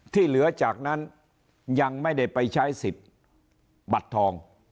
ที่เหลือจากนั้นยังไม่ได้ไปใช้สิทธิ์บัตรทอง